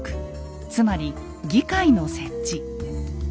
つまり議会の設置。